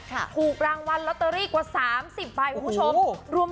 ถูกรางวัลลอตเตอรี่กว่า๓๐ใบคุณผู้ชม